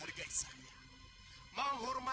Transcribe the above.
kalau kalian masih mengharapkan